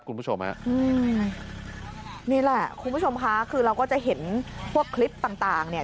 คุณผู้ชมฮะอืมนี่แหละคุณผู้ชมค่ะคือเราก็จะเห็นพวกคลิปต่างต่างเนี่ย